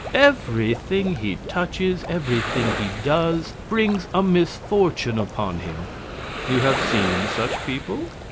Everything he touches, everything he does, brings a misfortune upon him. You have seen such people?